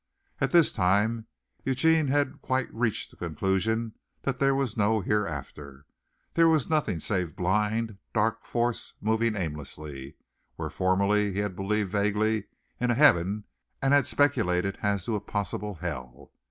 At this time Eugene had quite reached the conclusion that there was no hereafter there was nothing save blind, dark force moving aimlessly where formerly he had believed vaguely in a heaven and had speculated as to a possible hell.